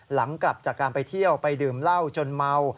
หลังจากการไปเที่ยวไปดื่มเหล้าจนเมา